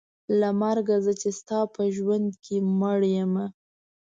له مرګه زه چې ستا په ژوند کې مړه یم.